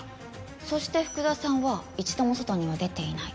そして福田さんは一度も外には出ていない。